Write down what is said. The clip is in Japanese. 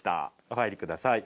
お入りください。